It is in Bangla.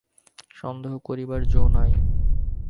সন্দেহ করিবার যো নাই।